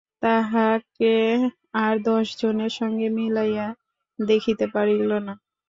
তাহাকে আর দশজনের সঙ্গে মিলাইয়া দেখিতে পারিল না।